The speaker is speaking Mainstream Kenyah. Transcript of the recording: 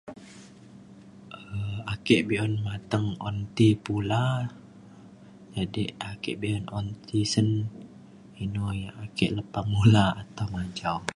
Ake bek un mateng un ti pulah, jadek kek bek un tisen inou yak ake lepah mulah atau manjau